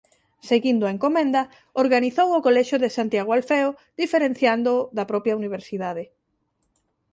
Seguindo a encomenda organizou o Colexio de Santiago Alfeo diferenciándoo da propia Universidade.